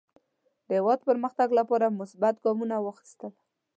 د هېواد پرمختګ لپاره مثبت ګامونه واخیستل.